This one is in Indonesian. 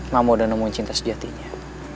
mama udah nemuin cinta sejatinya